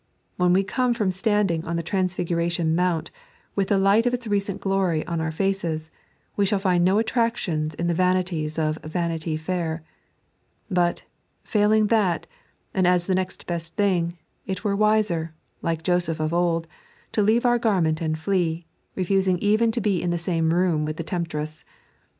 When we come from standing on the Transfiguration Mount, with the light of its recent glory on our faces, we shall find no attractions in the vanities of Vanity Fair. But, filing that, and as the next best thing, it were wiser, like Joseph of old, to leave our garment and flee, refusing eveit to be in the same room with the temptress.